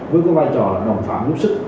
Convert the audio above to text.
với cái vai trò là đồng phạm lúc sức